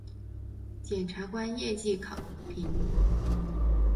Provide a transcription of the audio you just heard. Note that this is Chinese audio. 检察官业绩考评